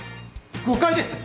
誤解です！